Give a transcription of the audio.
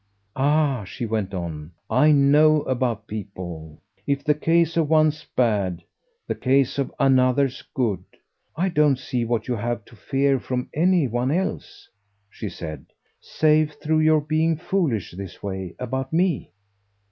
"Ah," she went on, "I know about 'people.' If the case of one's bad, the case of another's good. I don't see what you have to fear from any one else," she said, "save through your being foolish, this way, about ME."